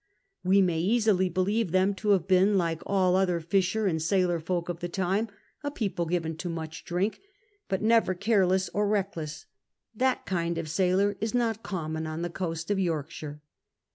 We may easily believe them to have been, like all other fisher and sailor folk of the time, a people given to much drink, but never careless or reckless — that kind of sailor is not common on the coast of Yorkshire.